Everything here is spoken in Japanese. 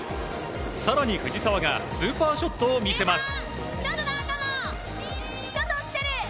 更に、藤澤がスーパーショットを見せます。